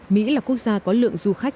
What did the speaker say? mỹ là quốc gia có lượng du khách